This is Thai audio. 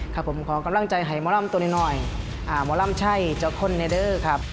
ขอกำลังใจให้หมอลำตัวนินหน่อยหมอลำชัยเจ้าคนในเด้อครับ